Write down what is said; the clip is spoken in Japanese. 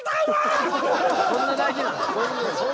そんな大事なん？